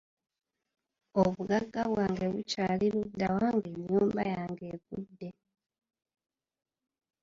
Obuggaga bwange bukyali luddawa nga ennyumba yange eggudde?